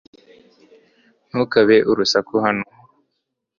ntukabe urusaku hano